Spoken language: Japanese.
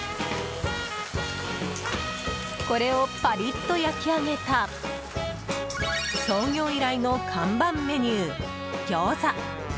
これをパリッと焼き上げた創業以来の看板メニュー、餃子。